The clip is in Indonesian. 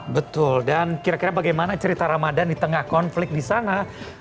betul dan kira kira bagaimana cerita ramadan di tengah konflik di sana